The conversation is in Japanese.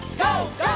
ＧＯ！